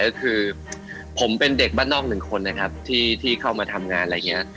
ก็คือผมเป็นเด็กบ้านนอกหนึ่งคนนะครับที่เข้ามาทำงานอะไรอย่างนี้